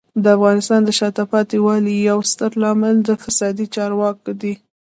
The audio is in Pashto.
د افغانستان د شاته پاتې والي یو ستر عامل د فسادي چارواکو دی.